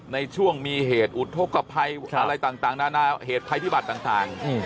ในช่วงมีเหตุอุทธกภัยอะไรต่างนานาเหตุภัยพิบัติต่าง